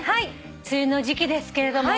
梅雨の時季ですけれども。